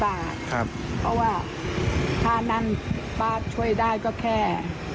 เพราะว่าถ้านั่นป้าช่วยได้ก็แค่